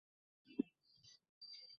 ওরা আমাদের চেয়ে ঢের বেশি ব্যক্তি-বিশেষ।